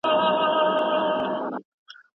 بلکې د دې لپاره له شاوخوا پینځوسو کلونو